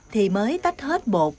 thì mới tách hết bột